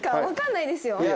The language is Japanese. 分かんないですよ